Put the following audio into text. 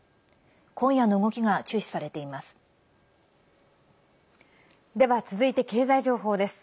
今夜の動きが注視されています。